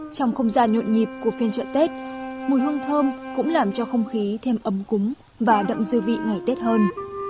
trong không gian nhộn nhịp của phiên chợ tết mùi hương thơm cũng làm cho không khí thêm ấm cúng và đậm dư vị ngày tết hơn